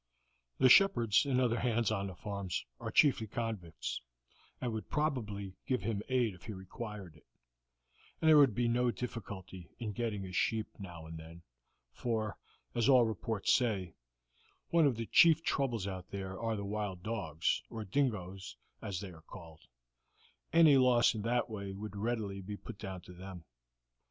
"The shepherds and other hands on the farms are chiefly convicts, and would probably give him aid if he required it, and there would be no difficulty in getting a sheep, now and then, for, as all reports say, one of the chief troubles out there are the wild dogs, or dingoes, as they are called; any loss in that way would readily be put down to them.